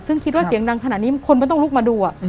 ซึ่งคิดว่าเสียงดังขนาดนี้คนไม่ต้องลุกมาดู